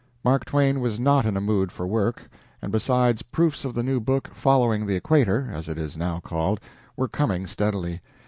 Mark Twain was not in a mood for work, and, besides, proofs of the new book "Following the Equator," as it is now called were coming steadily.